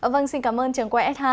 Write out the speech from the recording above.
vâng xin cảm ơn trường qs hai